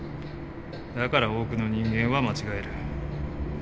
だから多くの人間は間違える。